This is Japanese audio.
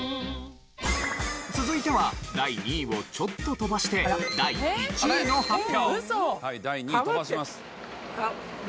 続いては第２位をちょっと飛ばして第１位の発表。